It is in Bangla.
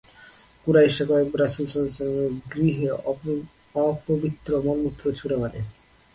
কুরাইশরা কয়েকবার রাসূলের গৃহে অপবিত্র মল-মূত্র ছুঁড়ে মারে।